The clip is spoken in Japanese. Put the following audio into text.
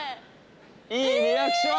いいリアクション！